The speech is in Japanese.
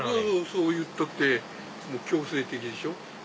そう言ったって強制的でしょ。